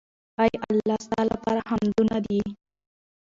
اې الله ! ستا لپاره حمدونه دي